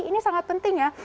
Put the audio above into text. ini sangat penting ya